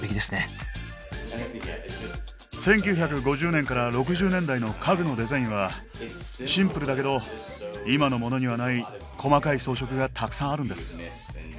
１９５０年から６０年代の家具のデザインはシンプルだけど今のモノにはない細かい装飾がたくさんあるんです。